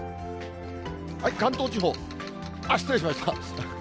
関東地方、失礼しました。